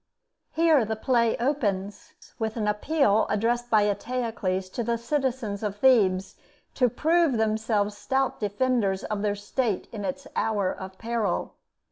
Here the play opens, with an appeal addressed by Eteocles to the citizens of Thebes to prove themselves stout defenders of their State in its hour of peril.